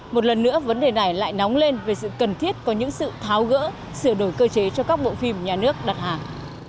một lần nữa vấn đề này lại nóng lên về sự cần thiết có những sự tháo gỡ sửa đổi cơ chế cho các bộ phim nhà nước đặt hàng